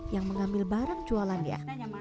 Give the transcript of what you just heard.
yang mengambil barang jualannya